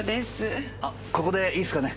あっここでいいですかね？